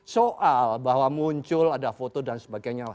soal bahwa muncul ada foto dan sebagainya